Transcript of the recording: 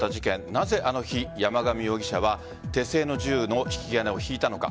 なぜあの日、山上容疑者は手製の銃の引き金を引いたのか。